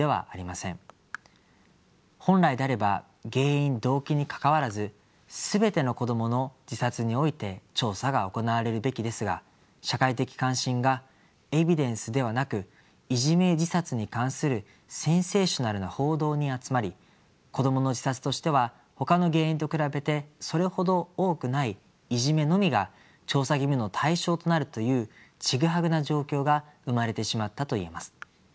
本来であれば原因・動機にかかわらず全ての子どもの自殺において調査が行われるべきですが社会的関心がエビデンスではなくいじめ自殺に関するセンセーショナルな報道に集まり子どもの自殺としてはほかの原因と比べてそれほど多くないいじめのみが調査義務の対象となるというちぐはぐな状況が生まれてしまったと言えます。